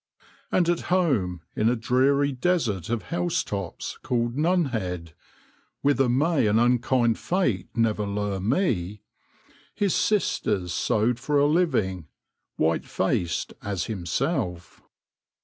And at home, in a dreary desert of housetops called Nunhead — whither may an unkind fate never lure me — his sisters sewed for a living, white faced as himself.